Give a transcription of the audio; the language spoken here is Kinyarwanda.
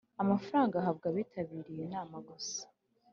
Amafaranga ahabwa abitabiriye inama gusa